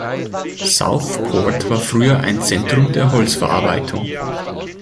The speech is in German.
Southport war früher ein Zentrum der Holzverarbeitung.